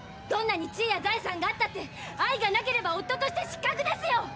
どんなに地位や財産があったって愛がなければ夫として失格ですよ。